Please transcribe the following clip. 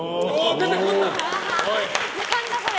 何だこれ。